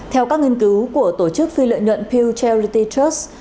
theo các nghiên cứu của tổ chức phi lợi nhuận pew charity trust